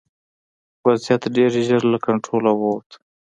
وضعیت ډېر ژر له کنټروله ووت.